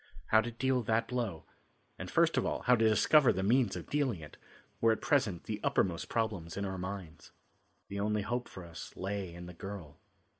How to deal that blow, and first of all, how to discover the means of dealing it, were at present the uppermost problems in our minds. The only hope for us lay in the girl.